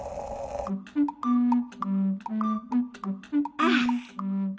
ああ。